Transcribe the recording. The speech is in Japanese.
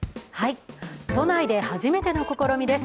都内で初めての試みです。